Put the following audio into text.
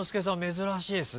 珍しいですね。